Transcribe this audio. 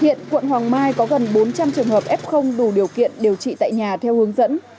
hiện quận hoàng mai có gần bốn trăm linh trường hợp f đủ điều kiện điều trị tại nhà theo hướng dẫn